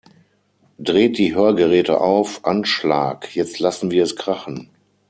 Dreht die Hörgeräte auf Anschlag, jetzt lassen wir es krachen!